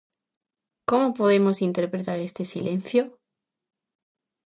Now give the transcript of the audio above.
Como podemos interpretar este silencio?